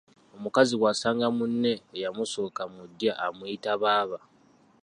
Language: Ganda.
Omukazi bw’asanga munne eyamusooka mu ddya amuyita Baaba.